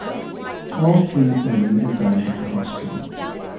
All three of them later died at the hospital.